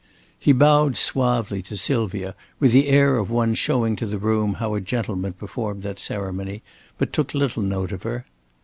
He bowed suavely to Sylvia, with the air of one showing to the room how a gentleman performed that ceremony, but took little note of her.